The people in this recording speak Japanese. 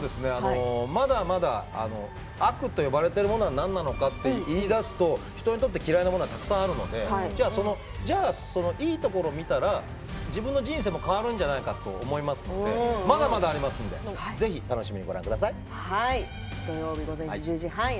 まだまだ悪と呼ばれているものは何なのかと人にとって嫌いなものはたくさんあるのでいいところを見たら自分の人生も変わるんじゃないかと思いますのでまだまだありますのでぜひ、お楽しみに。